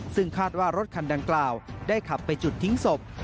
ซึ่งคาดว่ารถคันดังกล่าวได้ขับไปจุดทิ้งศพ